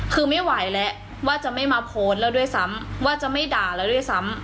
คือไม่ไหวแล้วว่าจะไม่มาโพสต์แล้วด้วยซ้ำว่าจะไม่ด่าแล้วด้วยซ้ำ